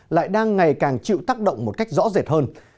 lại đang ngày càng chịu tác động một cách rõ rệt hơn